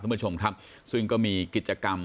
เพื่อนเพื่อนชมครับซึ่งก็มีกิจกรรม